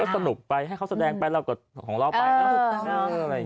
ก็สนุกไปให้เขาแสดงไปแล้วก็ของเราไป